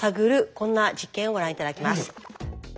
こんな実験をご覧頂きます。